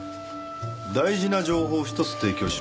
大事な情報を１つ提供します。